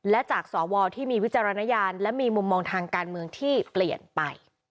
และจากสวที่มีวิจารณญาณและมีมุมมองทางการเมืองที่เปลี่ยนไป